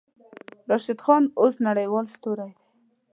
راشد خان اوس نړۍوال ستوری دی.